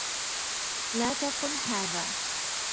لا تقل هذا.